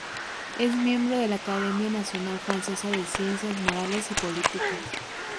Es miembro de la Academia Nacional Francesa de Ciencias Morales y Políticas.